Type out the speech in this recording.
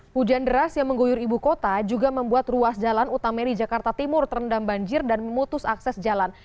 hujan deras yang mengguyur ibu kota juga membuat ruas jalan utamanya di jakarta timur terendam banjir dan memutus akses jalan